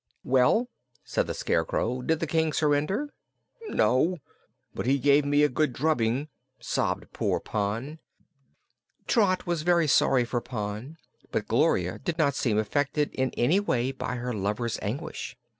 "Well," said the Scarecrow, "did the King surrender?" "No; but he gave me a good drubbing!" sobbed poor Pon. Trot was very sorry for Pon, but Gloria did not seem affected in any way by her lover's anguish.